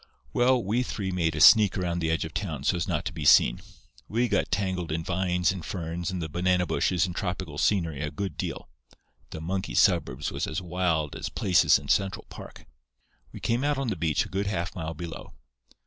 "Well, we three made a sneak around the edge of town so as not to be seen. We got tangled in vines and ferns and the banana bushes and tropical scenery a good deal. The monkey suburbs was as wild as places in Central Park. We came out on the beach a good half mile below.